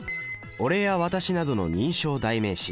「俺」や「私」などの人称代名詞